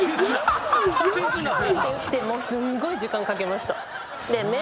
もうすごい時間かけました。